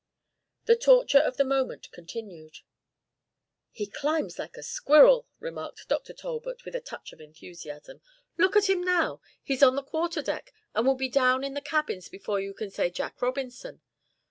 The torture of the moment continued. "He climbs like a squirrel," remarked Dr. Talbot, with a touch of enthusiasm. "Look at him now he's on the quarterdeck and will be down in the cabins before you can say Jack Robinson.